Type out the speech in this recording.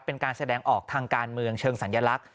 เป็นการแสดงออกทางการเมืองเชิงสัญลักษณ